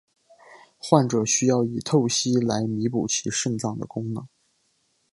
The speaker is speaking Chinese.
患者需要以透析来弥补其肾脏的功能。